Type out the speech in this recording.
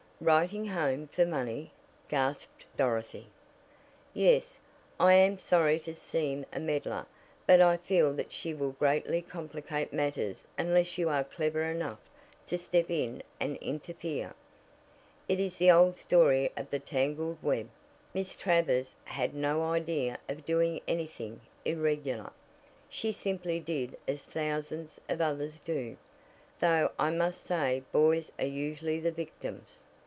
"Writing home for money!" gasped Dorothy. "Yes; I am sorry to seem a meddler, but I feel that she will greatly complicate matters unless you are clever enough to step in and interfere. It is the old story of the tangled web; Miss Travers had no idea of doing anything irregular. She simply did as thousands of others do, though I must say boys are usually the victims.